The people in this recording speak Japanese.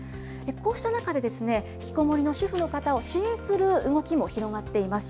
こうした中でですね、引きこもりの主婦の方を支援する動きも広がっています。